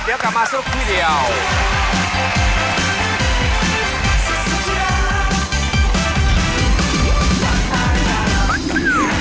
เดี๋ยวกลับมาสักครู่เดียว